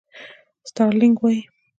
سټارلېنک وایي.